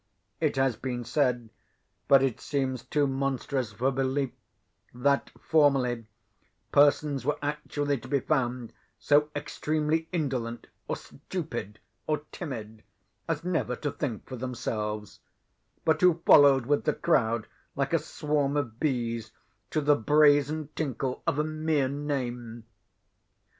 It has been said, but it seems too monstrous for belief, that, formerly, persons were actually to be found so extremely indolent, or stupid, or timid, as never to think for themselves; but who followed with the crowd, like a swarm of bees, to the brazen tinkle of a mere name!